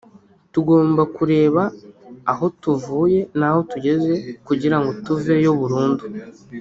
tugomba kureba aho tuvuye naho tugeze kugira tuveyo burundu